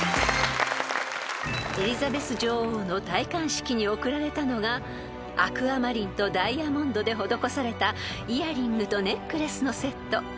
［エリザベス女王の戴冠式に贈られたのがアクアマリンとダイヤモンドで施されたイヤリングとネックレスのセット］